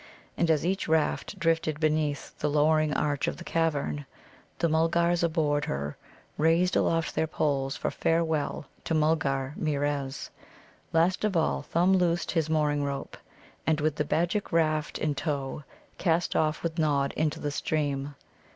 And as each raft drifted beneath the lowering arch of the cavern, the Mulgars aboard her raised aloft their poles for farewell to Mulgarmeerez. Last of all Thumb loosed his mooring rope, and with the baggage raft in tow cast off with Nod into the stream.